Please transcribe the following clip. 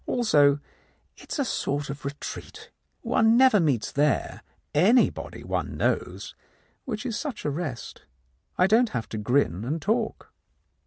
Also, it is a sort of retreat. One never meets there anybody one knows, which is such a rest. I don't have to grin and talk."